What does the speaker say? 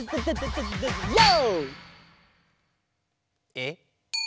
えっ？